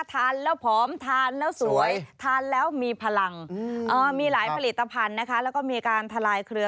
ทานแล้วผอมทานแล้วสวยทานแล้วมีพลังมีหลายผลิตภัณฑ์นะคะแล้วก็มีการทลายเครือ